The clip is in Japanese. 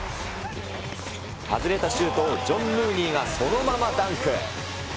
外れたシュートを、ジョン・ムーニーがそのままダンク。